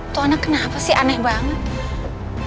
tuh anak kenapa sih aneh banget